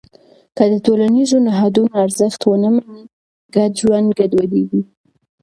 که د ټولنیزو نهادونو ارزښت ونه منې، ګډ ژوند ګډوډېږي.